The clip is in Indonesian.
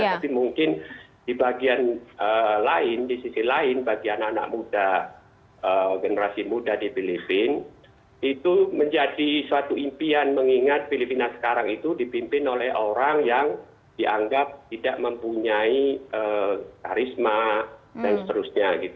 tapi mungkin di bagian lain di sisi lain bagi anak anak muda generasi muda di filipina itu menjadi suatu impian mengingat filipina sekarang itu dipimpin oleh orang yang dianggap tidak mempunyai karisma dan seterusnya